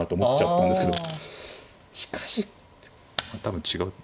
しかし多分違う？